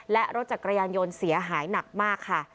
และรถจักรยานยนต์เสียหายหนักมากค่ะ